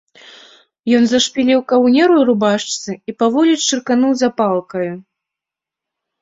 Ён зашпіліў каўнер у рубашцы і паволі чыркануў запалкаю.